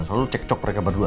selalu cek cok mereka berdua